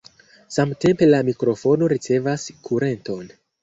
Samtempe la mikrofono ricevas kurenton.